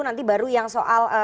nanti baru yang soal